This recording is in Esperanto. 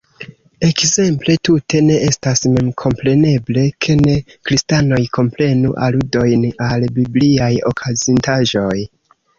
Ekzemple, tute ne estas memkompreneble, ke ne-kristanoj komprenu aludojn al bibliaj okazintaĵoj.